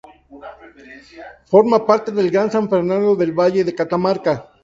Forma parte del Gran San Fernando del Valle de Catamarca.